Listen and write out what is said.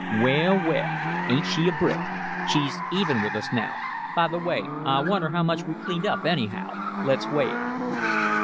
"Well, well ain't she a brick? She's even with us now. By the way, I wonder how much we cleaned up, anyhow let's weigh it."